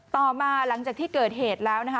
ต่อมาหลังจากที่เกิดเหตุแล้วนะคะ